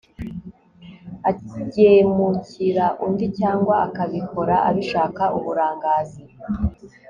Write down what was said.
agemukira undi cyangwa akabikora abishaka uburangazi